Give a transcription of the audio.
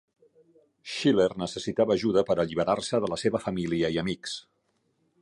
Schiller necessitava ajuda per alliberar-se de la seva família i amics.